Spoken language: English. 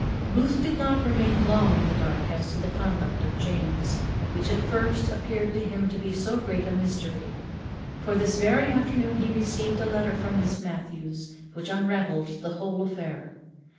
Booth did not long remain in the dark as to the conduct of James, which, at first, appeared to him to be so great a mystery; for this very afternoon he received a letter from Miss Matthews which unravelled the whole affair.